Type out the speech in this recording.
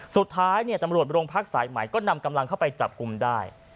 สุดท้ายตำรวจโรงพักสายใหม่ก็นำกำลังเข้าไปจับกลุ่มได้